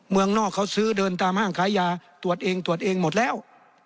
เมืองนอกเขาซื้อเดินตามห้างขายยาตรวจเองตรวจเองหมดแล้ว